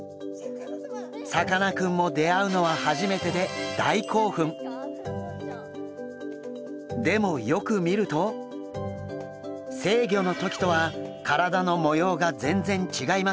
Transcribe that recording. さかなクンも出会うのは初めてででもよく見ると成魚の時とは体の模様が全然違いますよね。